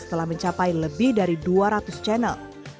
telah mencapai lebih dari dua ratus channel